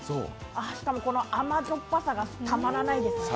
しかも、このあまじょっぱさがたまらないですね。